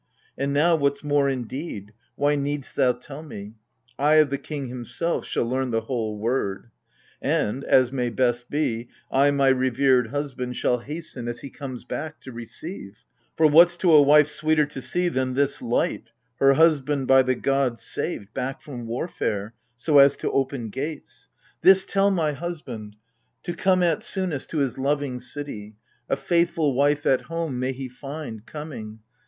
And now, what's more, indeed, why need'st thou tell me ? I of the king himself shall learn the whole word : And, — as may best be, — I my revered husband Shall hasten, as he comes back, to receive : for — What's to a wife sweeter to see than this light (Her husband, by the god saved, back from warfare) So as to open gates ? This tell my husband — AGAMEMNON, 51 To come at soonest to his loving city. A faithful wife at home may he find, coming